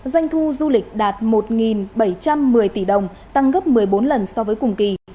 doanh thu du lịch đạt một bảy trăm một mươi tỷ đồng tăng gấp một mươi bốn lần so với cùng kỳ